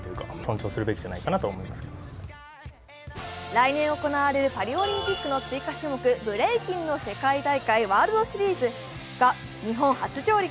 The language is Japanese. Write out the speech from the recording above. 来年行われるパリオリンピックの追加種目、ブレイキンの世界大会、ワールドシリーズが日本初上陸。